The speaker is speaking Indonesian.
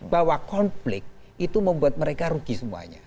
bahwa konflik itu membuat mereka rugi semuanya